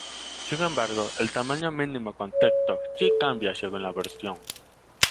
Sin embargo, el tamaño mínimo con texto sí cambia según la versión.